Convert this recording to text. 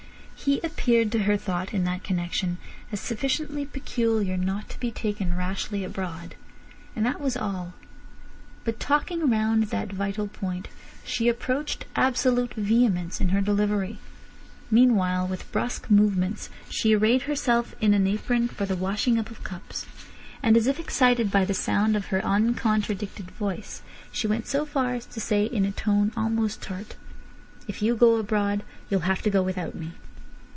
He appeared to her thought in that connection as sufficiently "peculiar" not to be taken rashly abroad. And that was all. But talking round that vital point, she approached absolute vehemence in her delivery. Meanwhile, with brusque movements, she arrayed herself in an apron for the washing up of cups. And as if excited by the sound of her uncontradicted voice, she went so far as to say in a tone almost tart: "If you go abroad you'll have to go without me."